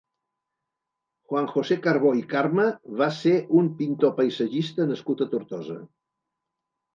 Juan José Carbó i Carme va ser un pintor paisatgista nascut a Tortosa.